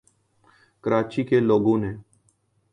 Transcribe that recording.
کراچی کے لوگوں نے